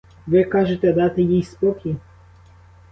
Ви кажете дати їй спокій?